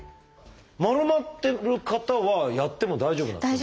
丸まってる方はやっても大丈夫なんですか？